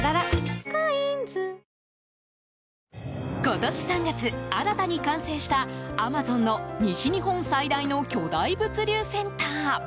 今年３月、新たに完成したアマゾンの西日本最大の巨大物流センター。